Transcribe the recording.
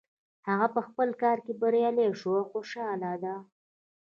هغه په خپل کار کې بریالی شو او خوشحاله ده